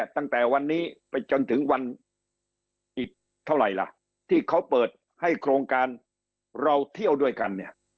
ตั้งแต่วันนี้ไปจนถึงวันอีกเท่าไหร่ล่ะที่เขาเปิดให้โครงการเราเที่ยวด้วยกันเนี่ย